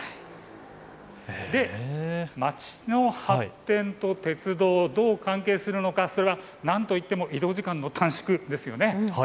街の発展と鉄道、どう関係するのか、それはなんといっても移動時間の短縮ですよね。